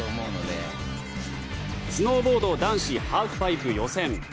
スノーボード男子ハーフパイプ予選。